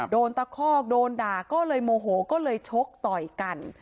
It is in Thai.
ตะคอกโดนด่าก็เลยโมโหก็เลยชกต่อยกัน